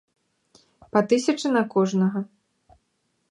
Па тысячы на кожнага.